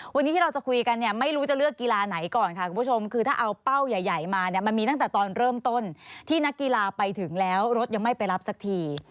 วันนี้ที่เราจะคุยกันเนี่ยไม่รู้จะเลือกกีฬาไหนก่อนค่ะคุณผู้ชมคือถ้าเอาเป้าใหญ่มาเนี่ยมันมีตั้งแต่ตอนเริ่มต้นที่นักกีฬาไปถึงแล้วรถยังไม่ไปรับสักที